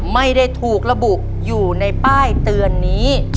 ไม่ได้ถูกระบุอยู่ในป้ายเตือนนี้